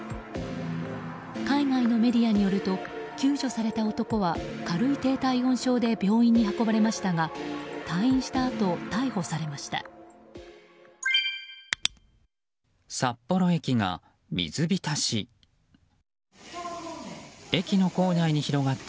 海外のメディアによると救助された男は軽い低体温症で病院に運ばれましたが退院したあと、逮捕されました。